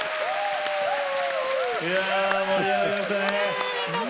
いや盛り上がりましたね。